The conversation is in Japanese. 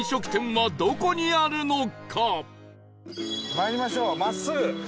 まいりましょう真っすぐ。